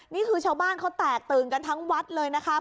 นี่คือชาวบ้านเขาแตกตื่นกันทั้งวัดเลยนะคะ